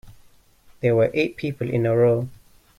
There were eight people in a row.